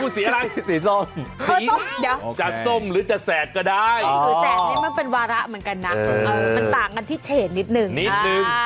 สีส้มจะส้มหรือจะแสดก็ได้แสดนี้มันเป็นวาระเหมือนกันนะมันต่างกันที่เฉดนิดนึง